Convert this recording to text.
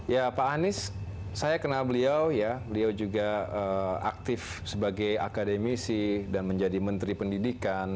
ya pak anies saya kenal beliau ya beliau juga aktif sebagai akademisi dan menjadi menteri pendidikan